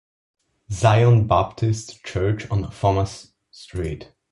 Zion Baptist Church on Thomas Street.